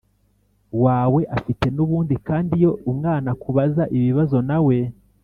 wawe afite N ubundi kandi iyo umwana akubaza ibibazo nawe